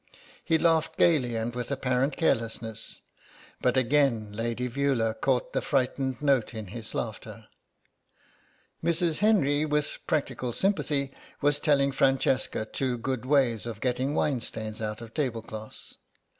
He laughed gaily and with apparent carelessness, but again Lady Veula caught the frightened note in his laughter. Mrs. Henry, with practical sympathy, was telling Francesca two good ways for getting wine stains out of tablecloths.